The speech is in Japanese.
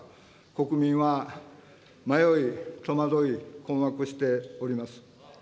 国民は迷い、戸惑い、困惑しております。